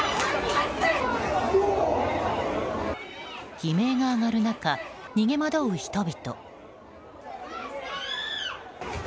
悲鳴が上がる中、逃げ惑う人々。